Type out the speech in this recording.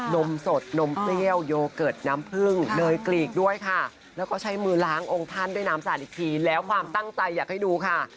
นมสดนมเปรี้ยวโยเกิร์ตน้ำผึ้งเนยกลีกด้วยค่ะแล้วก็ใช้มือล้างองค์ท่านด้วยน้ำสาดอีกทีแล้วความตั้งใจอยากให้ดูค่ะ